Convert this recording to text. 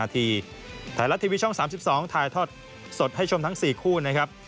ทีไทยรัฐทีวีช่อง๓๒ถ่ายทอดสดให้ชมทั้ง๔คู่นะครับ